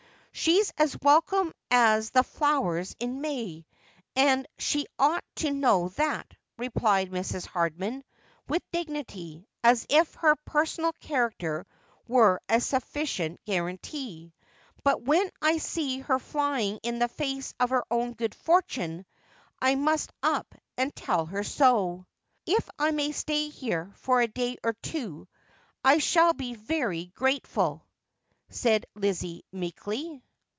' She's as welcome as the flowers in May, and she ought to know that,' replied Mrs. Hardman, with dignity, as if her personal character were a sufficient guarantee. ' But when I see her flying in the face of her own good fortune I must up and tell her so.' ' If I may stay here for a day or two I shall be very grateful,' said Lizzie meekly.